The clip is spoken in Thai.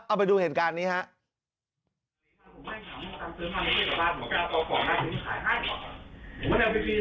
เอาไปดูเหตุการณ์นี้ครับ